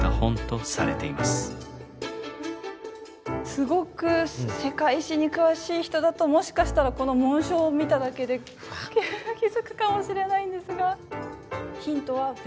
すごく世界史に詳しい人だともしかしたらこの紋章を見ただけで気付くかもしれないんですが。